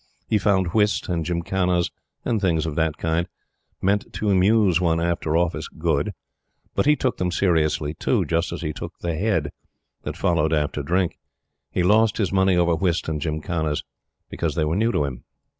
He found whist, and gymkhanas, and things of that kind (meant to amuse one after office) good; but he took them seriously too, just as he took the "head" that followed after drink. He lost his money over whist and gymkhanas because they were new to him.